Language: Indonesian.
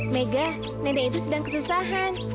mega nenek itu sedang kesusahan